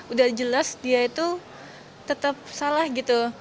udah jelas dia itu tetap salah gitu